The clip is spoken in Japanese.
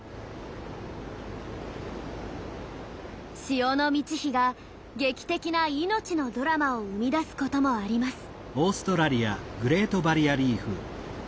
潮の満ち干が劇的な命のドラマを生み出すこともあります。